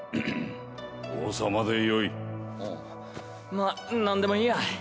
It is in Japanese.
まあ何でもいいや。